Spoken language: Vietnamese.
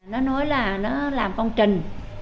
nó nói là nó làm con trình